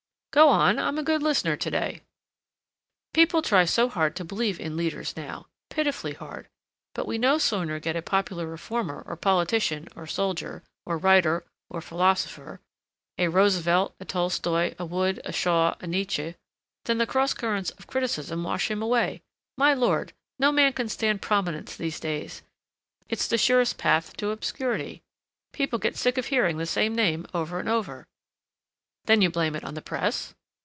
'" "Go on. I'm a good listener to day." "People try so hard to believe in leaders now, pitifully hard. But we no sooner get a popular reformer or politician or soldier or writer or philosopher—a Roosevelt, a Tolstoi, a Wood, a Shaw, a Nietzsche, than the cross currents of criticism wash him away. My Lord, no man can stand prominence these days. It's the surest path to obscurity. People get sick of hearing the same name over and over." "Then you blame it on the press?"